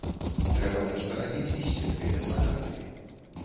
Трэба нешта рабіць і з сельскай гаспадаркай.